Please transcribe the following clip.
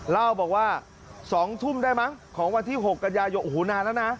เล่าบอกว่าสองทุ่มได้มั้งของวันที่หกกันยายกหูนานแล้วนะ